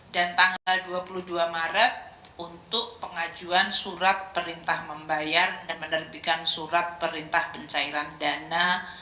dan tanggal dua puluh dua maret untuk pengajuan surat perintah membayar dan menerbitkan surat perintah pencairan dana